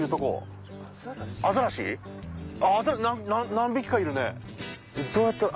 何匹かいるね！